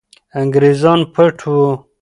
انګریزان پټ وو.